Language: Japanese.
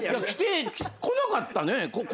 来なかったね。